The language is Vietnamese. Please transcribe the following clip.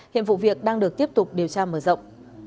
hiện vụ việc đang được tiếp tục điều tra mở rộng